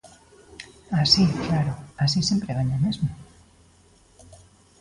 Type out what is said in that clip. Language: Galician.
Así, claro, así sempre gaña o mesmo.